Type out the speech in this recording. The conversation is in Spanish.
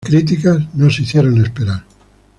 Las críticas no se hicieron esperar.